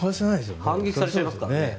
反撃されますから。